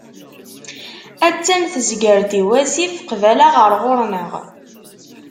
Attan tezger-d i wasif, qbala ɣer ɣur-neɣ.